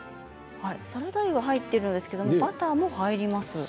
サラダ油が入っているんですがバターも入れます。